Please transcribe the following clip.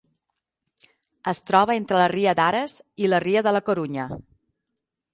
Es troba entre la ria d'Ares i la ria de la Corunya.